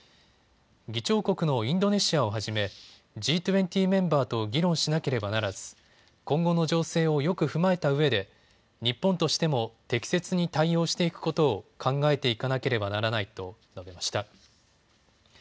議長国のインドネシアをはじめＧ２０メンバーと議論しなければならず今後の情勢をよく踏まえたうえで日本としても適切に対応していくことを考えていかなければならないと述べました。